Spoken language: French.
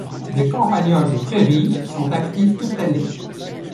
Les campagnols de prairies sont actifs toute l'année.